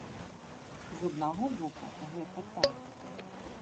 З аднаго боку, гэта так.